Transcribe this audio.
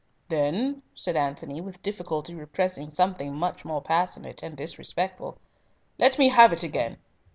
"Then," said Antony, with difficulty repressing something much more passionate and disrespectful, "let me have it again."